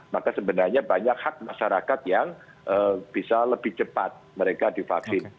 maka sebenarnya banyak hak masyarakat yang bisa lebih cepat mereka divaksin